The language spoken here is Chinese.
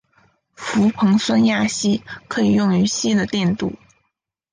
氟硼酸亚锡可以用于锡的电镀。